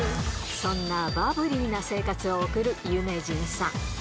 そんなバブリーな生活を送る有名人さん。